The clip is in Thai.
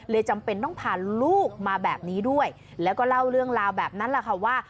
จำเป็นต้องพาลูกมาแบบนี้ด้วยแล้วก็เล่าเรื่องราวแบบนั้นแหละค่ะว่า